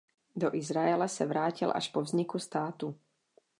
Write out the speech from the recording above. Do Izraele se vrátil až po vzniku státu.